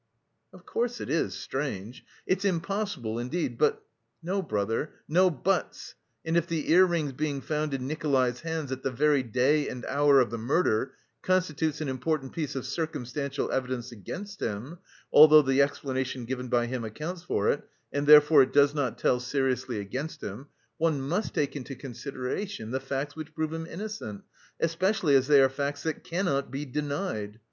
"Of course it is strange! It's impossible, indeed, but..." "No, brother, no buts. And if the ear rings being found in Nikolay's hands at the very day and hour of the murder constitutes an important piece of circumstantial evidence against him although the explanation given by him accounts for it, and therefore it does not tell seriously against him one must take into consideration the facts which prove him innocent, especially as they are facts that cannot be denied.